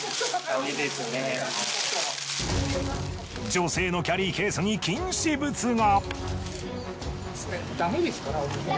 女性のキャリーケースに禁止物が。